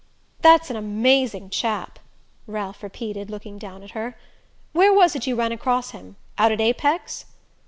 "That's an amazing chap," Ralph repeated, looking down at her. "Where was it you ran across him out at Apex?"